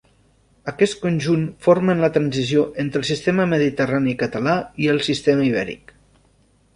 Aquests conjunts formen la transició entre el Sistema Mediterrani Català i el Sistema Ibèric.